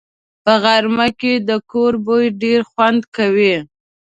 په غرمه کې د کور بوی ډېر خوند کوي